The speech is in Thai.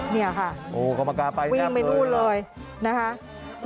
นี่ค่ะวิ่งไปนู่นเลยนะคะโอ้กรรมการไปแนบเลย